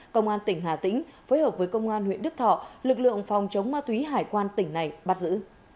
công an tỉnh hà tĩnh phối hợp với công an huyện đức thọ lực lượng phòng chống ma túy hải quan tỉnh này bắt giữ